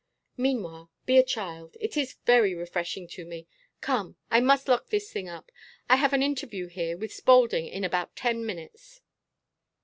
Meanwhile, be a child. It is very refreshing to me. Come. I must lock this thing up. I have an interview here with Spaulding in about ten minutes."